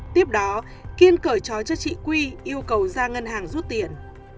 tiếp đó kiên cởi trói cho chị quy yêu cầu ra ngân hàng rút tiền